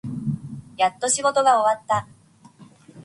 やっと仕事が終わった。